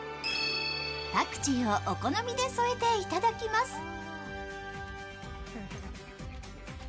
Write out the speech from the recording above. パクチーをお好みで添えていただきます。